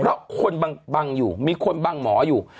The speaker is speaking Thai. เพราะคนบังอยู่มีคนบังหมออยู่